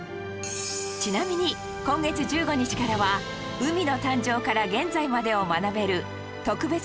ちなみに今月１５日からは海の誕生から現在までを学べる特別展「海」を開催中